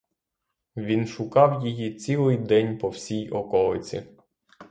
Він шукав її цілий день по всій околиці.